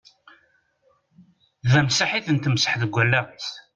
D amsaḥ i ten-temsaḥ deg wallaɣ-is.